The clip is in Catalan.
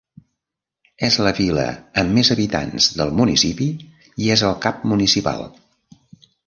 És la vila amb més habitants del municipi i és el cap municipal.